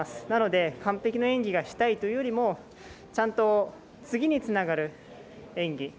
なので、完璧な演技がしたいというよりもちゃんと次につながる演技。